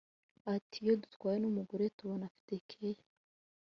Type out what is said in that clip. Ati “Iyo dutwawe n’umugore tubona afite keya (care)